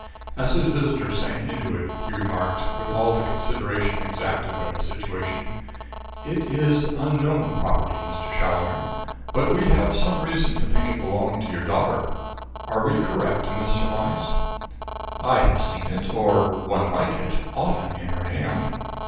As his visitor sank into it, he remarked, with all the consideration exacted by the situation: "It is unknown property, Mr. Challoner. But we have some reason to think it belonged to your daughter. Are we correct in this surmise?" "I have seen it, or one like it, often in her hand."